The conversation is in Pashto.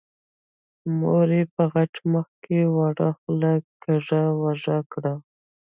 مور يې په غټ مخ کې وړه خوله کږه وږه کړه.